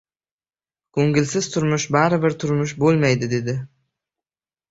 Ko‘ngilsiz turmush baribir turmush bo‘lmaydi», dedi.